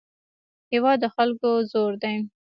هېواد د خلکو زور دی.